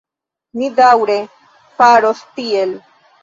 Ni daŭre faros tiel.